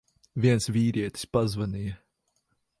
Viens vīrietis pazvanīja.